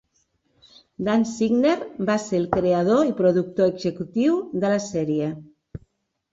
Dan Signer va ser el creador i productor executiu de la sèrie.